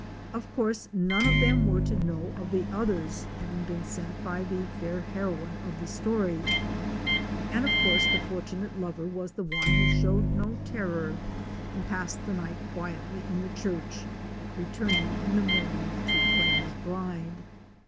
Of course none of them were to know of the others having been sent by the fair heroine of the story; and of course the fortunate lover was the one who showed no terror and passed the night quietly in the church, returning in the morning to claim his bride.